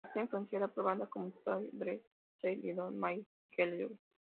Está influenciada por bandas como "Symphony X", Dream Theater, Iron Maiden y Helloween.